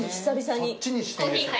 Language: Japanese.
そっちにしていいですか。